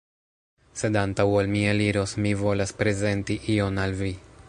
Sed antaŭ ol mi eliros, mi volas prezenti ion al vi